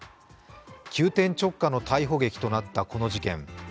急転直下の逮捕劇となったこの事件。